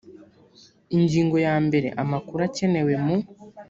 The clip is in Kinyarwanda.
ingingo ya mbere amakuru akenewe mu